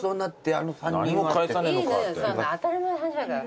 そんな当たり前の話だから。